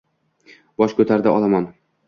Bosh ko’tardi olomon.